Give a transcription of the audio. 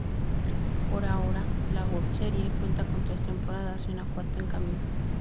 Por ahora la webserie cuenta con tres temporadas y una cuarta en camino.